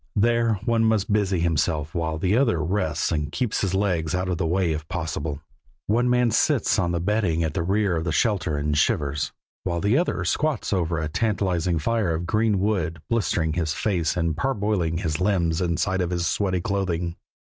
There one must busy himself while the other rests and keeps his legs out of the way if possible. One man sits on the bedding at the rear of the shelter, and shivers, while the other squats over a tantalizing fire of green wood, blistering his face and parboiling his limbs inside his sweaty clothing.